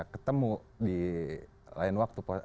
ketemu di lain waktu